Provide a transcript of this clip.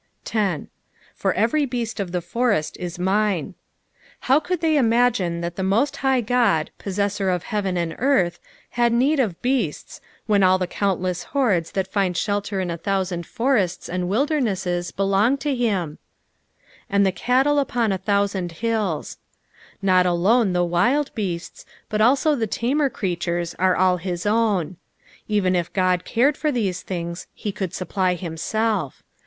JO. "For every heatt of tht forent it mine.'" How could they imagine that the Host High Ood, posaesaor of heaven and earth, had need of beasts, when all the countless hordes that find shelter in a thousand forests and wildcmeeaea belong to him) "And the eatlie vpon a thoatand hilU." Not alone the wild beasts, but also the tamer creatures are all his own. Even if God cared for these things, he could supply himself.